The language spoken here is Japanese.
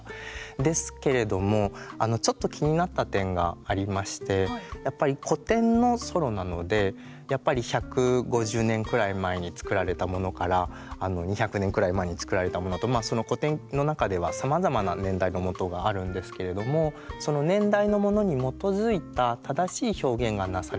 ですけれどもちょっと気になった点がありましてやっぱり古典のソロなのでやっぱり１５０年くらい前に作られたものから２００年くらい前に作られたものと古典の中ではさまざまな年代のもとがあるんですけれどもその年代のものに基づいた正しい表現がなされているか。